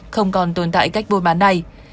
không còn tồn tại cách buôn bán này